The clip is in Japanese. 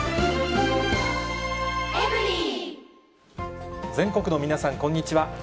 一方、全国の皆さん、こんにちは。